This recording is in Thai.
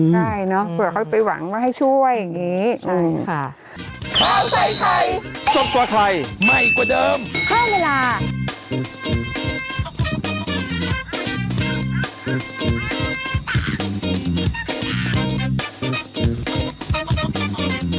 ได้เนอะเผื่อเค้าไปหวังว่าให้ช่วยอย่างนี้